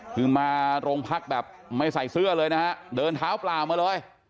คือมาโรงพักแบบไม่ใส่เสื้อเลยนะฮะเดินเท้าเปล่ามาเลย